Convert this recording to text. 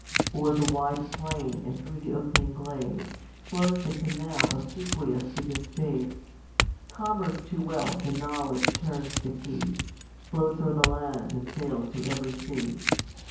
O'er the wide plain and through the opening glade. Flows the canal obsequious to the spade. Commerce to wealth and knowledge turns the key, Floats o'er the land and sails to every sea.